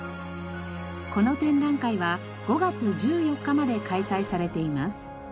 この展覧会は５月１４日まで開催されています。